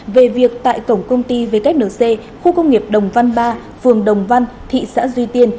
về việc tại cổng công ty wnc khu công nghiệp đồng văn ba phường đồng văn thị xã duy tiên